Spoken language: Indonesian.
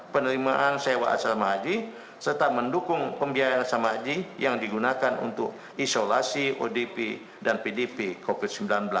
penerimaan sewa asrama haji serta mendukung pembiayaan asrama haji yang digunakan untuk isolasi odp dan pdp covid sembilan belas